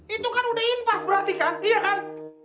itu kan udah impas berarti kan iya kan